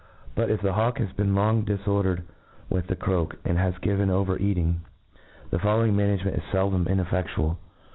But, if the hawk has been long diforder cd with the crdwck, and has given oyer eating, the following mansigement is feldom ineffedual.